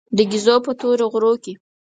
د ګېزو په تورو غرو کې.